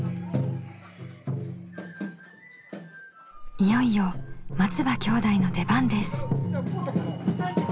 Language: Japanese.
いよいよ松場兄弟の出番です。